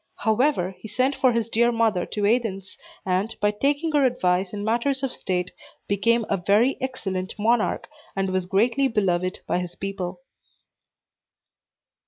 However, he sent for his dear mother to Athens, and, by taking her advice in matters of state, became a very excellent monarch, and was greatly beloved by his people.